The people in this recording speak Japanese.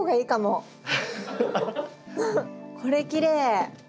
これきれい！